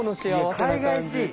かいがいしい。